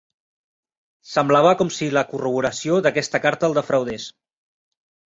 Semblava com si la corroboració d'aquesta carta el defraudés.